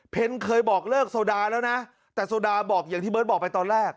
เคยบอกเลิกโซดาแล้วนะแต่โซดาบอกอย่างที่เบิร์ตบอกไปตอนแรก